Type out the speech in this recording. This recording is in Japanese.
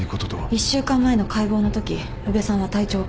１週間前の解剖のとき宇部さんは体調を崩しました。